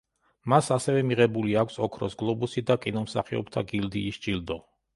მას ასევე მიღებული აქვს ოქროს გლობუსი და კინომსახიობთა გილდიის ჯილდო.